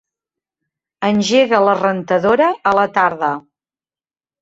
Engega la rentadora a la tarda.